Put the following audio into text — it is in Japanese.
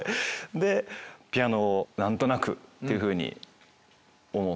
でピアノを何となくというふうに思って。